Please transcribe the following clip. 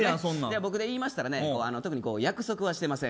僕で言いましたら特に約束はしてません。